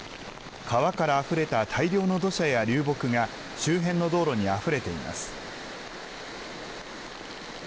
川からあふれた大量の土砂や流木が周辺の道路にあふれています。